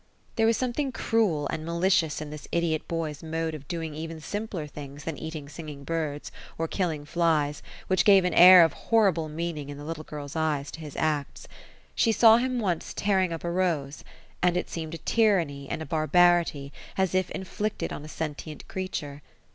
There was something cruel, and malicious in this idiot boy's mode of doing even simpler things than eating singing birds, or killing flies, which gave an air of horrible meaning, in the little girl's eyes, to his acts. She saw him onoe tearing up a rose ; and it seemed a tyranny and a bar barity, as if inflicted on a sentient creature.